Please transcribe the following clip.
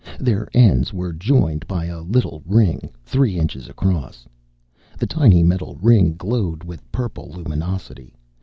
Their ends were joined by a little ring, three inches across. The tiny metal ring glowed with purple luminosity.